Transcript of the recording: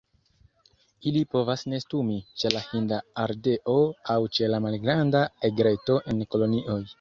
Ili povas nestumi ĉe la Hinda ardeo aŭ ĉe la Malgranda egreto en kolonioj.